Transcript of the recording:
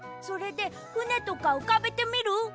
それでふねとかうかべてみる？